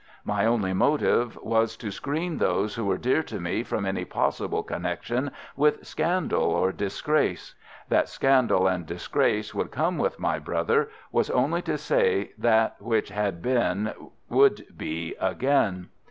My only motive was to screen those who were dear to me from any possible connection with scandal or disgrace. That scandal and disgrace would come with my brother was only to say that what had been would be again.